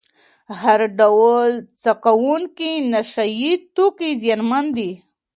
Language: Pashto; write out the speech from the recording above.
هر ډول څکونکي نشه یې توکي زیانمن دي.